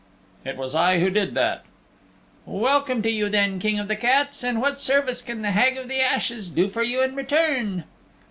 "It was I who did that." "Welcome to you then, King of the Cats. And what service can the Hag of the Ashes do for you in return?"